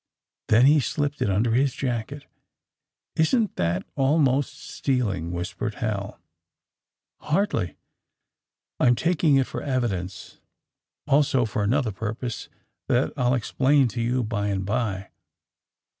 Then he slipped it under his jacket. Isn't that almost stealing?" whispered Hal. Hardly. I'm taking* it for evidence — also for another purpose that I'll explain to you by and by.